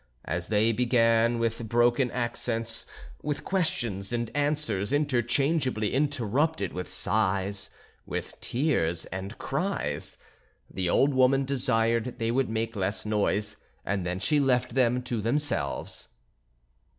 As they began with broken accents, with questions and answers interchangeably interrupted with sighs, with tears, and cries. The old woman desired they would make less noise and then she left them to themselves.